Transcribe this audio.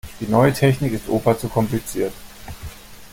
Die neue Technik ist Opa zu kompliziert.